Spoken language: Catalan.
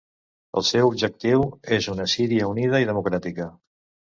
El seu objectiu és una Síria unida i democràtica.